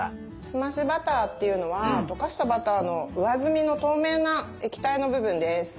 澄ましバターっていうのはとかしたバターの上澄みの透明な液体の部分です。